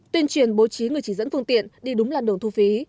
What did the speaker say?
tuyên truyền bố trí người chỉ dẫn phương tiện đi đúng làn đường thu phí